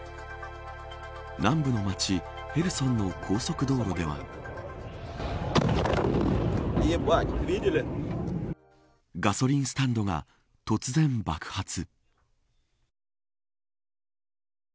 南部の町、ヘルソンの高速道路ではガソリンスタンドが突然爆発。